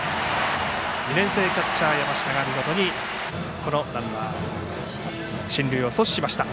２年生キャッチャー山下が見事にこのランナーの進塁を阻止しました。